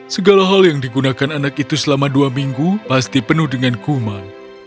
segala hal yang digunakan anak itu selama dua minggu pasti penuh dengan kuman